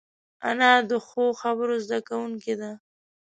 انا د ښو خبرو زده کوونکې ده